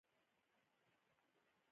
شکمن سړي دي.